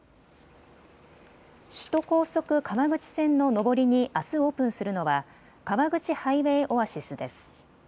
首都高速川口線の上りにあすオープンするのは川口ハイウェイオアシスです。